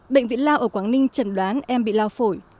bệnh viện lao ở quảng ninh chẩn đoán em bị lao phổi